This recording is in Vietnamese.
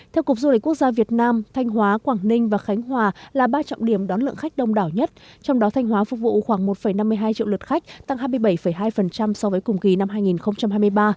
theo cục du lịch quốc gia việt nam thanh hóa quảng ninh và khánh hòa là ba trọng điểm đón lượng khách đông đảo nhất trong đó thanh hóa phục vụ khoảng một năm mươi hai triệu lượt khách tăng hai mươi bảy hai so với cùng kỳ năm hai nghìn hai mươi ba